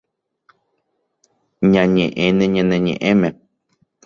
Ñañeʼẽne ñane ñeʼẽme.